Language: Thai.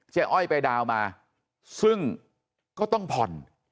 อ้อยไปดาวน์มาซึ่งก็ต้องผ่อน